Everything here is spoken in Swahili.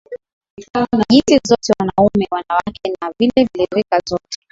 jinsia zote wanaume wanawake na vilevile rika zote